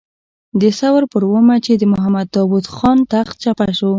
د ثور پر اوومه چې د محمد داود خان تخت چپه شو.